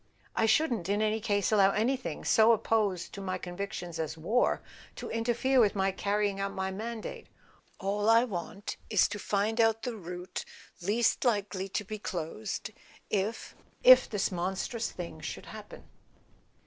"I shouldn't, in any case, allow anything so opposed to my convictions as war to interfere with my carrying out my mandate. All I want is to find out the A SON AT THE FRONT route least likely to be closed if—if this monstrous thing should happen."